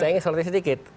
saya ingin sorotin sedikit